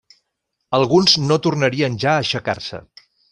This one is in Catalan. Alguns no tornarien ja a aixecar-se.